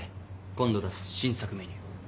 今度出す新作メニュー。